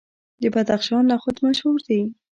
د بدخشان نخود مشهور دي.